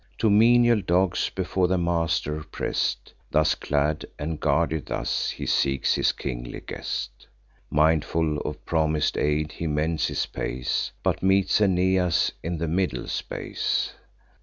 Two menial dogs before their master press'd. Thus clad, and guarded thus, he seeks his kingly guest. Mindful of promis'd aid, he mends his pace, But meets Aeneas in the middle space.